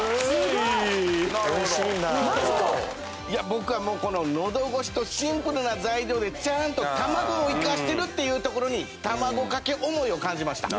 僕はこののどごしとシンプルな材料でちゃんと卵を生かしてるっていうところに卵かけ思いを感じました。